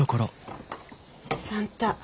算太